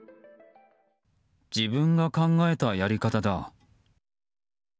自分が考えたやり方だ。